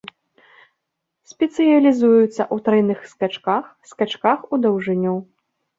Спецыялізуецца ў трайных скачках, скачках у даўжыню.